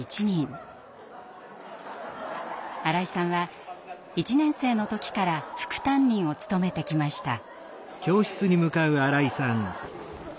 新井さんは１年生の時から副担任を務めてきました。